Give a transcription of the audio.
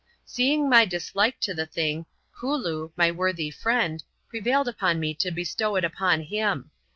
Seeing my dislike to the thing, Kooloo, my worthy friend, prevailed upon me to bestow it upon him.